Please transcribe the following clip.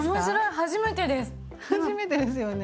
初めてですよね。